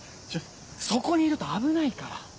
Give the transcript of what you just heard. そこにいると危ないから。